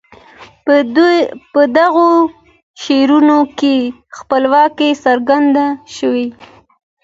په دغو شعرونو کې خپلواکي څرګند شوي.